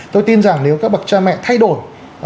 tôi tin rằng nếu các bậc cha mẹ thay đổi